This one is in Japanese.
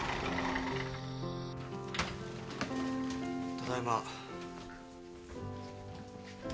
ただいま。